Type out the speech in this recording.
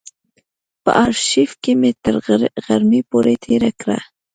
په آرشیف کې مې تر غرمې پورې تېره کړه.